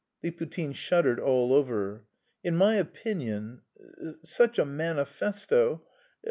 Liputin shuddered all over. "In my opinion... such a manifesto...